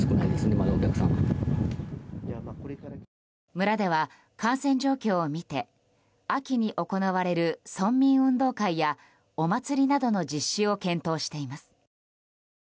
村では、感染状況を見て秋に行われる村民運動会やお祭りなどの実施を検討しています。